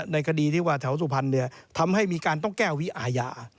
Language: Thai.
ในคดีที่ว่าแถวสุภัณฑ์เนี่ยทำให้มีการต้องแก้ววิอาญา